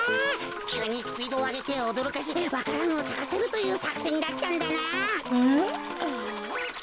きゅうにスピードをあげておどろかせわか蘭をさかせるというさくせんだったんだな。